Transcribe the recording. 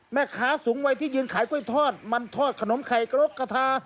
สูงวัยที่ยืนขายกล้วยทอดมันทอดขนมไข่กรกกระทา